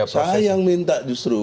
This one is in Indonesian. saya yang minta justru